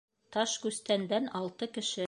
Ташкүстәндән алты кеше.